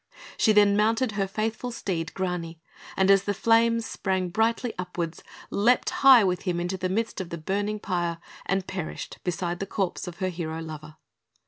She then mounted her faithful steed, Grani, and as the flames sprang brightly upwards, leaped high with him into the midst of the burning pyre, and perished beside the corpse of her hero lover.